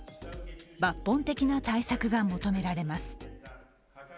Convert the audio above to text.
抜本的な対策が求められます。